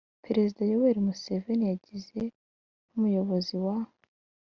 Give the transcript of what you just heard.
perezida yoweri museveni yagize, nk'umuyobozi wa